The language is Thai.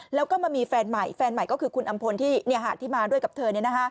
แล้วก็มามีแฟนใหม่แฟนใหม่ก็คือคุณอำพลที่มาด้วยกับเธอ